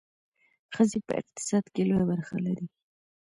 ښځې په اقتصاد کې لویه برخه لري.